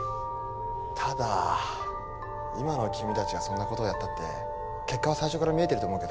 ただ今の君たちがそんなことをやったって結果は最初から見えてると思うけど。